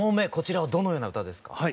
こちらはどのような歌ですか？